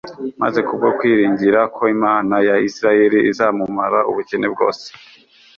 maze kubwo kwiringira ko Imana ya Isirayeli izamumara ubukene bwose